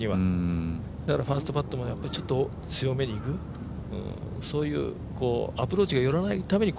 だから、ファーストパットも強めにいく、そういうアプローチが寄らないために